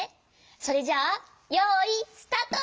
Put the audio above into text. それじゃあよいスタート！